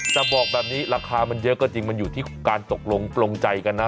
แต่บอกแบบนี้ราคามันเยอะก็จริงมันอยู่ที่การตกลงปลงใจกันนะ